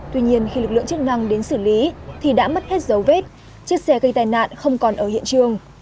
tuy nhiên khi lực lượng chức năng đến xử lý thì đã mất hết dấu vết chiếc xe gây tai nạn không còn ở hiện trường